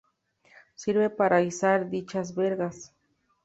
Sirve para izar dichas vergas.